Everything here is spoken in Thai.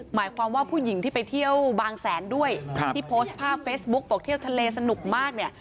หมายความว่าผู้หญิงที่ไปเที่ยวบางแสนด้วยที่โพสต์ภาพเฟซบุ๊กบอกเที่ยวทะเลสนุกมากเนี่ย